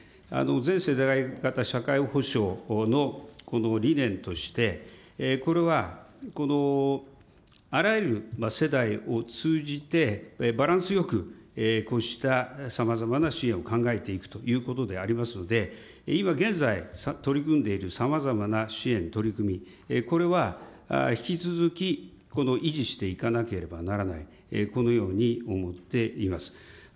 全世代型社会保障の理念として、これはあらゆる世代を通じて、バランスよくこうしたさまざまな支援を考えていくということでありますので、今、現在、取り組んでいるさまざまな支援、取り組み、これは、引き続きこの維持していかなければならない、このように思っています。